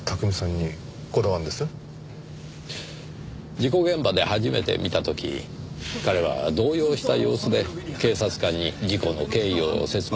事故現場で初めて見た時彼は動揺した様子で警察官に事故の経緯を説明していましたよね。